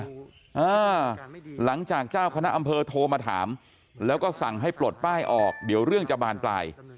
หลังจากเจ้าคณะอำเภอโทรมาถามแล้วก็สั่งให้ปลดป้ายออกเดี๋ยวเรื่องจะบานปลาย